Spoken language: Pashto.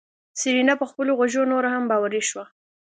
سېرېنا په خپلو غوږو نوره هم باوري شوه.